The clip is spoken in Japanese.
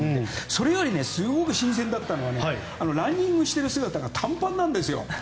それよりすごく新鮮だったのはランニングしている姿が短パンなんですよ。